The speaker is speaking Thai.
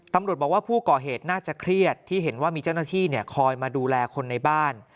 ตำรวจบอกว่าผู้ก่อเหตุน่าจะเครียดที่เห็นว่ามีเจ้าหน้าที่คอยมาดูแลคนในบ้าน